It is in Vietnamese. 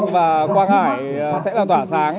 hai và quang hải sẽ là tỏa sáng